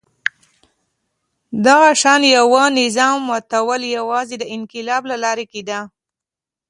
دغه شان یوه نظام ماتول یوازې د انقلاب له لارې کېده.